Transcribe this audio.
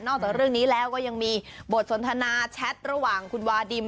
จากเรื่องนี้แล้วก็ยังมีบทสนทนาแชทระหว่างคุณวาดิม